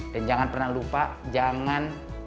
dan jangan pernah lupa jangan